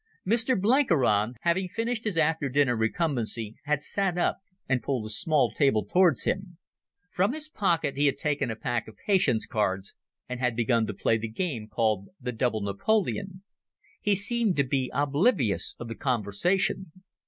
Mr Blenkiron, having finished his after dinner recumbency, had sat up and pulled a small table towards him. From his pocket he had taken a pack of Patience cards and had begun to play the game called the Double Napoleon. He seemed to be oblivious of the conversation.